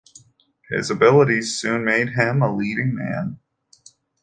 His abilities soon made him a leading man.